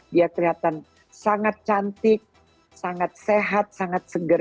dia kelihatan sangat cantik sangat sehat sangat seger